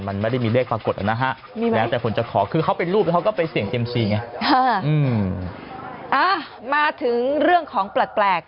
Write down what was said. มันไม่ได้มีเลขปรากฏนะฮะแล้วแต่คนจะขอคือเขาเป็นรูปแล้วเขาก็ไปเสี่ยงเซียมซีไงมาถึงเรื่องของแปลก